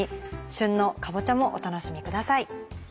旬のかぼちゃもお楽しみください。